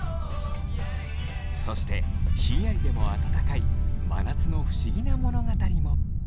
そしてひんやりでも温かい真夏の不思議な物語も。